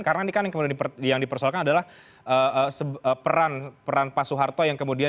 karena ini kan yang dipersoalkan adalah peran pak soeharto